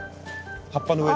葉っぱの上に。